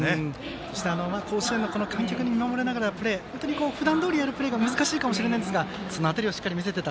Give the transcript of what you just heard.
そして甲子園の観客に見守られながらのプレー普段どおりにやるプレーが難しいかもしれませんがその辺りはしっかり見せていた。